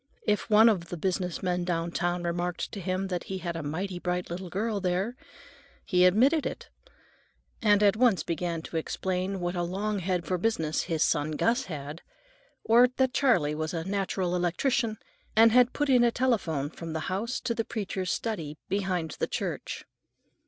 If one of the business men downtown remarked to him that he "had a mighty bright little girl, there," he admitted it, and at once began to explain what a "long head for business" his son Gus had, or that Charley was "a natural electrician," and had put in a telephone from the house to the preacher's study behind the church.